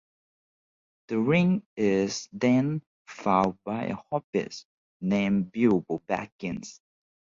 The Ring is then found by a Hobbit named Bilbo Baggins.